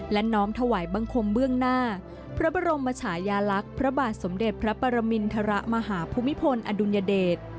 และน้อมถวายบังคมเบื้องหน้าพระบรมชายาลักษณ์พระบาทสมเด็จพระปรมินทรมาหาภูมิพลอดุลยเดช